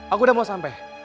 aku udah mau sampe